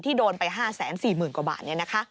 ที่โดนไป๕๔๐๐๐๐กว่าบาทนี่นะคะ